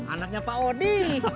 anaknya pak odi